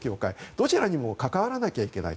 どちらにも関わらなければいけない。